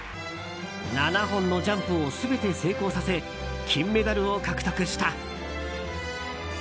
７本のジャンプを全て成功させ金メダルを獲得した。